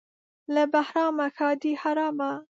له بهرامه ښادي حرامه.